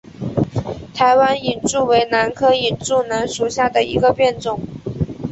台湾隐柱兰为兰科隐柱兰属下的一个变种。